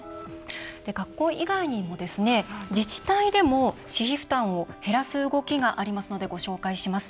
学校以外にも自治体でも私費負担を減らす動きがありますのでご紹介します。